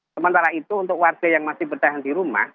sementara itu untuk warga yang masih bertahan di rumah